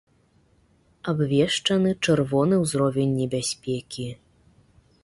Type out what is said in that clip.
Абвешчаны чырвоны ўзровень небяспекі.